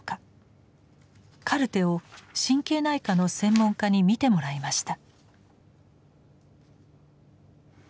カルテを神経内科の専門家に見てもらいました。